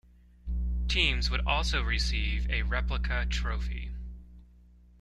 Teams would also receive a replica trophy.